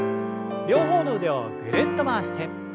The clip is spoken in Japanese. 両方の腕をぐるっと回して。